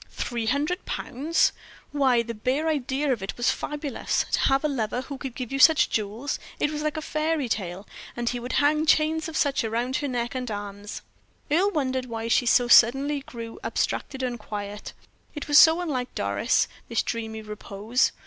Three hundred pounds. Why, the bare idea of it was fabulous to have a lover who could give you such jewels; it was like a fairy tale, and he would hang chains of such round her neck and arms. Earle wondered why she so suddenly grew abstracted and quiet it was so unlike Doris, this dreamy repose.